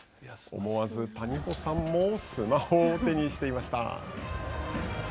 思わず谷保さんもスマホを手にしていました。